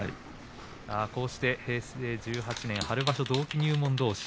こうして平成１８年春場所同期入門どうし。